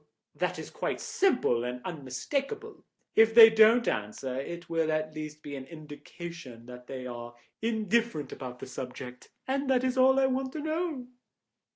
That is quite simple and unmistakable. If they don't answer it will at least be an indication that they are indifferent about the subject, and that is all I want to know."